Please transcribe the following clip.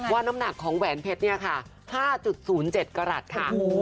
น้ำหนักของแหวนเพชรเนี่ยค่ะ๕๐๗กรัฐค่ะ